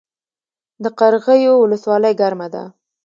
د قرغیو ولسوالۍ ګرمه ده